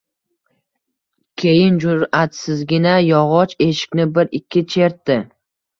Keyin jur`atsizgina yog`och eshikni bir-ikki chertdi